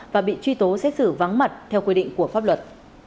và bị truy tố xét xử vắng mặt theo quy định của pháp luật